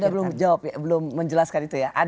ada anda belum menjelaskan itu ya